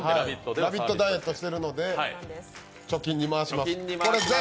ラヴィットダイエットしているので貯金に回します。